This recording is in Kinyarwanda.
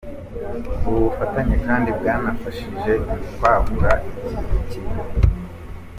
Ubu bufatanye kandi bwanafashije mu kwagura iki kigo.